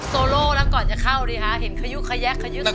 โซโล่แล้วก่อนจะเข้าดิฮะเห็นขยุขยักขยึก